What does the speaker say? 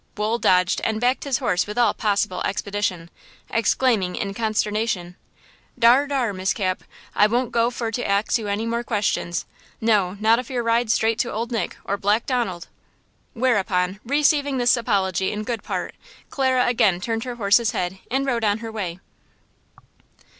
Wool dodged and backed his horse with all possible expedition, exclaiming in consternation : "Dar! dar! Miss Cap, I won't go for to ax you any more questions–no–not if yer rides straight to Old Nick or Black Donald!" Whereupon, receiving this apology in good part, Clara again turned her horse's head and rode on her way.